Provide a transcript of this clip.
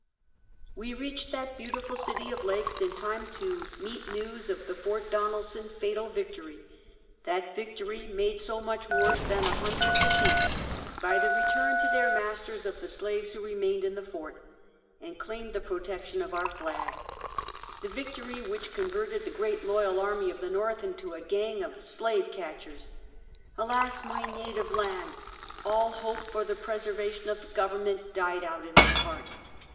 We reached that beautiful city of lakes in time to meet news of the Ft. Donelson fatal victory; that vic tory made so much worse than a hundred defeats by Out into tue "Woeld. 219 the return to their masters of the slaves who remained in the fort and claimed the protection of our flag — the victory which converted the great loyal army of the IS^orth into a gang of slave catchers. Alas, my native land! All hope for the preservation of the government died out in my heart.